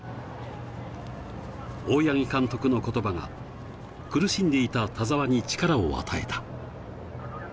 大八木監督の言葉が苦しんでいた田澤に、力を与えた。